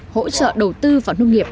hỗ trợ đầu tư vào nông nghiệp